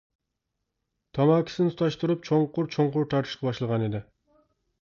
تاماكىسىنى تۇتاشتۇرۇپ چوڭقۇر-چوڭقۇر تارتىشقا باشلىغان ئىدى.